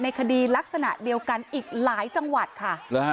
คดีลักษณะเดียวกันอีกหลายจังหวัดค่ะ